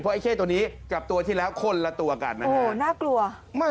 เพราะเข้ตัวนี้กับตัวที่แล้วคนละตัวกันนะฮะ